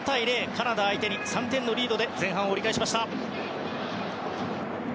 カナダ相手に３点のリードで前半を折り返しました。